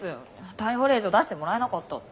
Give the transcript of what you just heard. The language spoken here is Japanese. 逮捕令状出してもらえなかったって。